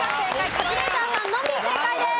カズレーザーさんのみ正解です。